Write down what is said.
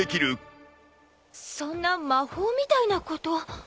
そんな魔法みたいなこと。